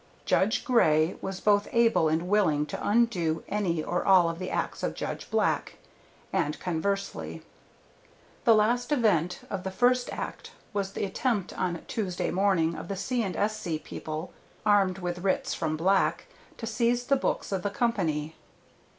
Judge Grey was both able and willing to undo any or all of the acts of Judge Black, and conversely. The last event of the first act was the attempt on Tuesday morning of the C. & S.C. people, armed with writs from Black, to seize the books of the company.